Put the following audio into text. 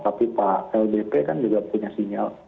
tapi pak lbp kan juga punya sinyal